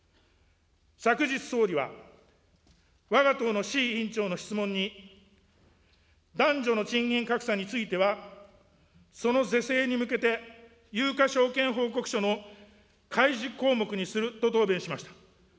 昨日、総理はわが党の志位委員長の質問に、男女の賃金格差については、その是正に向けて、有価証券報告書の開示項目にすると答弁しました。